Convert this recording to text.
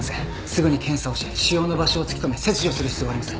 すぐに検査をし腫瘍の場所を突き止め切除する必要があります。